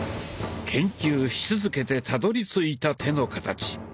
研究し続けてたどりついた手の形。